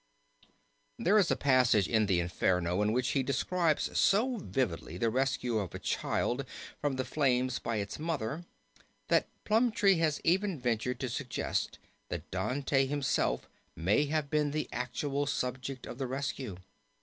There is a passage in the Inferno in which he describes so vividly the rescue of a child from the flames by its mother that Plumptre has even ventured to suggest that Dante himself may have been the actual subject of the rescue.